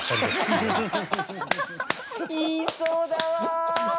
言いそうだわ。